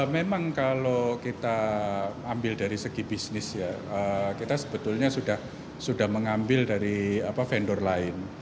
memang kalau kita ambil dari segi bisnis ya kita sebetulnya sudah mengambil dari vendor lain